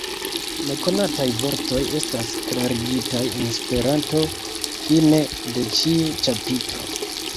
Nekonataj vortoj estas klarigitaj en Esperanto fine de ĉiu ĉapitro.